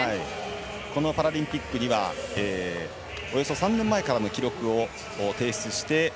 このパラリンピックにはおよそ３年前からの記録を提出して、